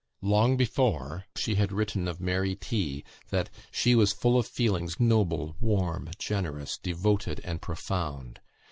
Long before, she had written of Mary T., that she "was full of feelings noble, warm, generous, devoted, and profound.